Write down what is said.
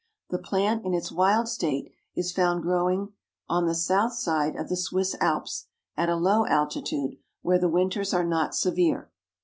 The plant in its wild state is found growing on the south side of the Swiss Alps, at a low altitude, where the winters are not severe.